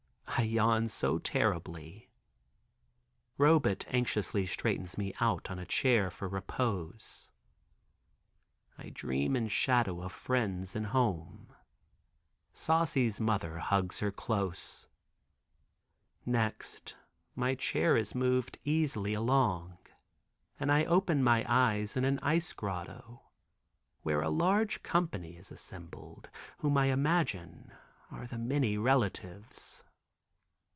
I yawn so terribly. Robet anxiously straightens me out on a chair for repose. I dream in shadow of friends and home. Saucy's mother hugs her close. Next my chair is moved easily along and I open my eyes in an ice grotto, where a large company is assembled, whom I imagine are the many relatives.